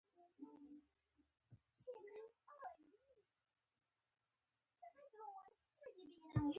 ويل به يې له تاسره مينه لرم!